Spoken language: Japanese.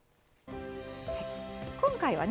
今回はね